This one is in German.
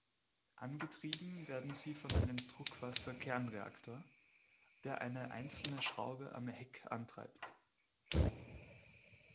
Angetrieben werden sie von einem Druckwasser-Kernreaktor, der eine einzelne Schraube am Heck antreibt.